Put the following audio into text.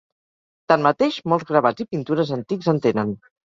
Tanmateix, molts gravats i pintures antics en tenen.